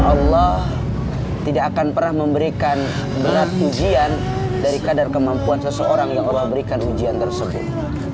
allah tidak akan pernah memberikan berat ujian dari kadar kemampuan seseorang yang allah berikan ujian tersebut